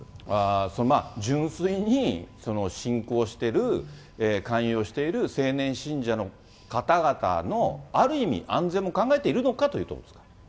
純粋に信仰してる、勧誘している青年信者の方々の、ある意味安全も考えているのかということですか。